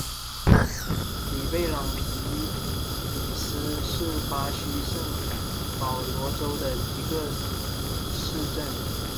里贝朗皮里斯是巴西圣保罗州的一个市镇。